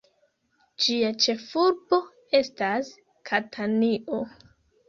Ĝia ĉefurbo estas Katanio.